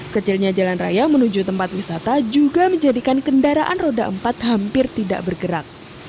kecilnya jalan raya menuju tempat wisata juga menjadikan kendaraan roda empat hampir tidak bergerak